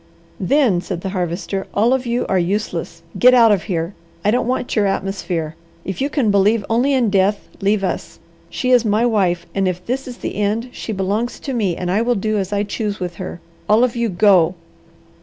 "Then," said the Harvester, "all of you are useless. Get out of here. I don't want your atmosphere. If you can believe only in death, leave us! She is my wife, and if this is the end she belongs to me, and I will do as I choose with her. All of you go!"